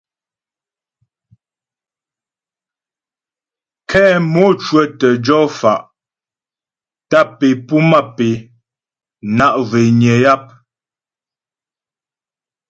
Kɛ mò cwə̌tə jɔ fa' tâp é puá mâp é na' zhwényə yap.